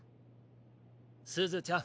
すずちゃん。